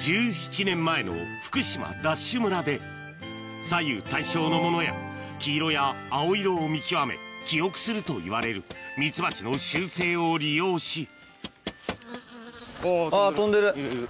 １７年前の福島ＤＡＳＨ村で左右対称のものや黄色や青色を見極め記憶するといわれるミツバチの習性を利用しあぁ飛んでる。